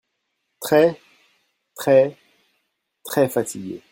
Très très très fatigué.